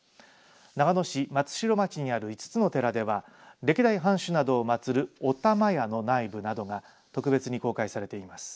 長野市松代町にある５つの寺では歴代藩主などを祭る御霊屋の内部などが特別に公開されています。